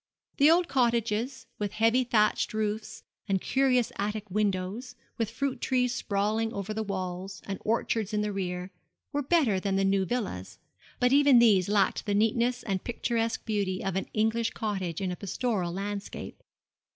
The old cottages, with heavy thatched roofs and curious attic windows, with fruit trees sprawling over the walls, and orchards in the rear, were better than the new villas; but even these lacked the neatness and picturesque beauty of an English cottage in a pastoral landscape.